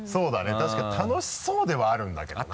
確かに楽しそうではあるんだけどな。